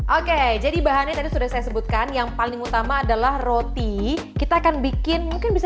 oke jadi bahannya tadi sudah saya sebutkan yang paling utama adalah roti kita akan bikin mungkin bisa